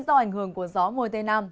do ảnh hưởng của gió môi tây nam